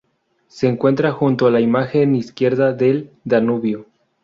Se encuentra junto a la margen izquierda del Danubio.